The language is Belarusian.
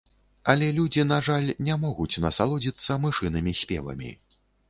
Але людзі, на жаль, не могуць насалодзіцца мышынымі спевамі.